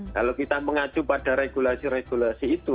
kalau kita mengacu pada regulasi regulasi itu